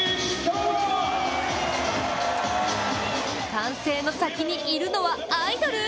歓声の先にいるのはアイドル？